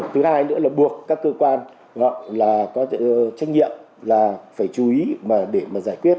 thứ hai nữa là buộc các cơ quan có trách nhiệm phải chú ý để giải quyết